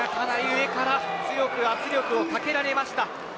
上から強く圧力をかけられました。